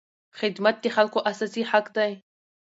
خدمت د خلکو اساسي حق دی.